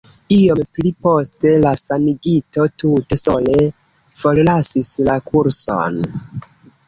Iom pli poste la sanigito tute sole forlasis la kurson.